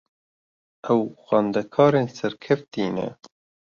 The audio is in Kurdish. Ew xwendekarên serkeftî ne.